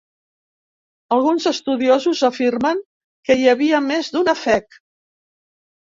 Alguns estudiosos afirmen que hi havia més d'un Aphek.